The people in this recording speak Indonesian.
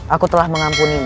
aku telah mengampunimu